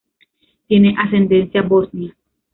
Tiene ascendencia bosnia.